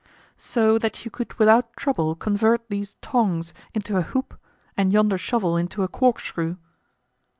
"So that you could without trouble convert these tongs into a hoop and yonder shovel into a corkscrew?"